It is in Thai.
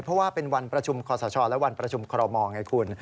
เพราะว่าเป็นวันประชุมคอสชและวันประชุมคอรมอลไงคุณ